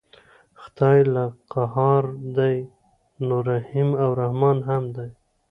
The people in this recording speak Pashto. خدای که قهار دی نو رحیم او رحمن هم دی.